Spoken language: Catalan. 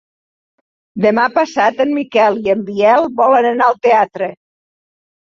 Demà passat en Miquel i en Biel volen anar al teatre.